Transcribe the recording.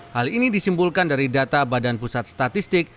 hal ini disimpulkan dari data badan pusat statistik